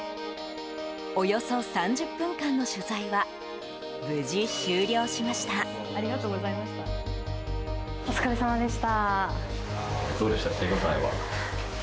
およそ３０分間の取材は無事終了しました。